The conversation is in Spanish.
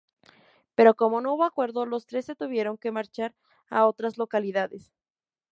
Pero como no hubo acuerdo, los tres se tuvieron que marchar a otras localidades.